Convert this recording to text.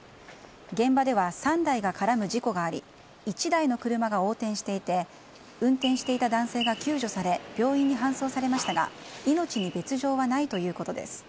現場では３台が絡む事故があり１台の車が横転していて運転していた男性が救助され病院に搬送されましたが命に別条はないということです。